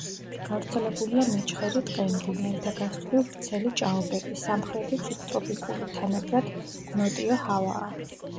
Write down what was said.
გავრცელებულია მეჩხერი ტყე, მდინარეთა გასწვრივ ვრცელი ჭაობები; სამხრეთით სუბტროპიკული თანაბრად ნოტიო ჰავაა.